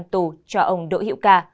năm tù cho ông đỗ hiệu ca